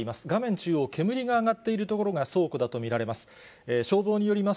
中央、煙が上がっている所が倉庫だと見られます。